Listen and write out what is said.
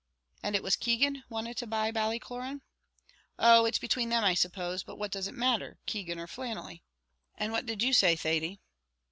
"And was it Keegan wanted to buy Ballycloran?" "Oh, it's between them, I suppose; but what does it matter Keegan or Flannelly?" "And what did you say, Thady?"